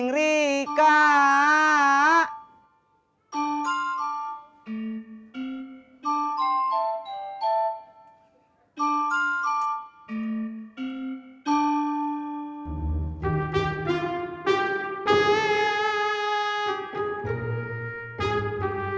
gak ada apa apa